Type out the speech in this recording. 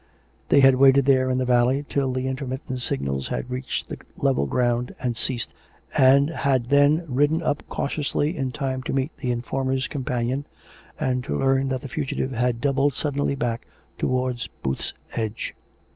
They had waited there, in the valley, till the intermittent signals had reached the level ground and ceased, and had then ridden up cautiously in time to meet the informer's companion, and to learn that the fugitive had doubled sud denly back towards Booth's Edge.